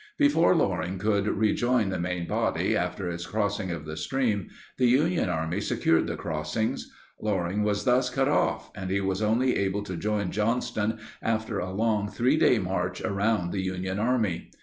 Before Loring could rejoin the main body, after its crossing of the stream, the Union Army secured the crossings. Loring was thus cut off, and he was only able to join Johnston after a long 3 day march around the Union Army.